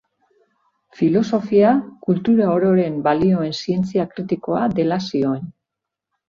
Filosofia kultura ororen balioen zientzia kritikoa dela zioen.